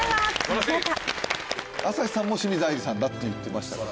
朝日さんも清水あいりさんだって言ってましたから。